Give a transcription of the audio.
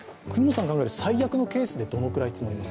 最悪のケースでどのくらい積もります？